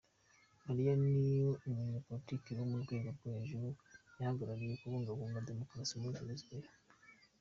Maria ni umunye politike wo mu rwego rwo hejuru yaharaniye kubungabunga demokrasi muri Venezuela.